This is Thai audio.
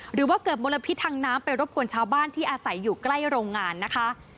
หรือว่าเกิดมลพิษทางน้ำไปรบกวนชาวบ้านที่อาศัยอยู่ใกล้โรงงานนะคะ